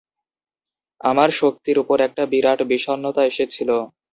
আমার শক্তির ওপর একটা বিরাট বিষণ্ণতা এসেছিল।